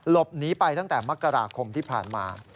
หลบหนีไปตั้งแต่มกราคมที่ผ่านมา